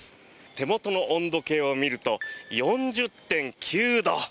手元の温度計を見ると４０．９度。